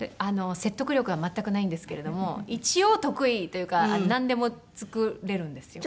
説得力は全くないんですけれども一応得意というかなんでも作れるんですよ。